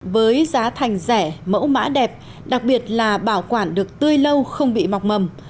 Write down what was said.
với giá thành rẻ mẫu mã đẹp đặc biệt là bảo quản được tươi lâu không bị mọc mầm